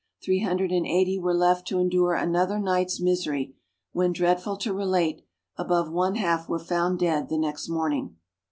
Three hundred and eighty were left to endure another night's misery, when, dreadful to relate, above one half were found dead the next morning!